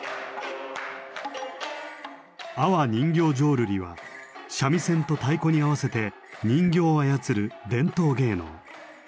阿波人形浄瑠璃は三味線と太鼓に合わせて人形を操る伝統芸能。